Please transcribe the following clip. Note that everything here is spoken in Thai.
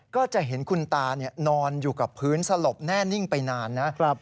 ก็จะเห็นคุณตานอนอยู่กับพื้นสลบแน่นิ่งไปนานนะ